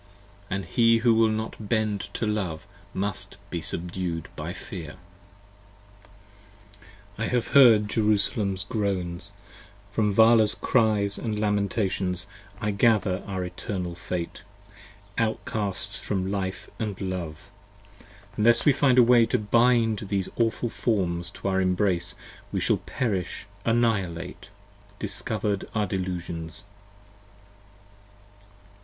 1 6 And he who will not bend to Love must be subdu'd by Fear. p. 82 I HAVE heard Jerusalem's groans; from Vala's cries & lamentations I gather our eternal fate, Outcasts from life and love: Unless we find a way to bind these awful Forms to our Embrace we shall perish annihilate, discover'd our Delusions.